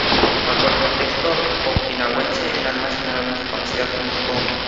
Bajo el contexto okinawense, el arma es generalmente conocida como "kon".